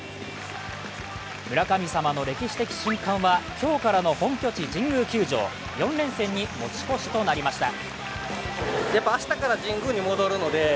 村神様の歴史的瞬間は今日からの本拠地・神宮球場４連戦に持ち越しとなりました。